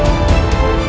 aku tidak mau